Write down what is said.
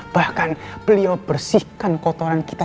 bahkan beliau bersihkan kotoran kita